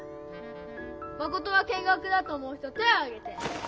マコトは見学だと思う人手をあげて！